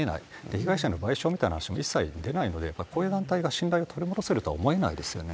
被害者の賠償みたいな話も一切出ないので、こういう団体が信頼を取り戻せるとは思えないですよね。